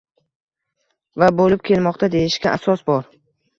va bo‘lib kelmoqda, deyishga asos bor.